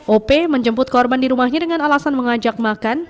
op menjemput korban di rumahnya dengan alasan mengajak makan